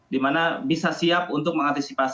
dimana bisa siap untuk mengantisipasi